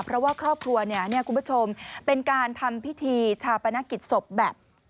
เพราะว่าครอบครัวเนี่ยคุณผู้ชมเป็นการทำพิธีชาปนกิจศพแบบ